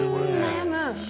悩む。